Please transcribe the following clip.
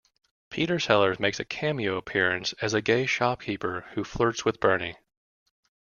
Peter Sellers makes a cameo appearance as a gay shopkeeper who flirts with Bernie.